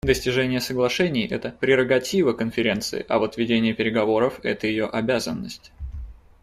Достижение соглашений − это прерогатива Конференции, а вот ведение переговоров − это ее обязанность.